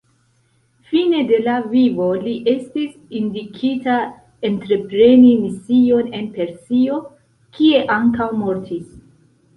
Fine de la vivo li estis indikita entrepreni mision en Persio, kie ankaŭ mortis.